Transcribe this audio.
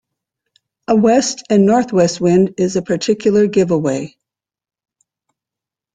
A west and northwest wind is a particular giveaway.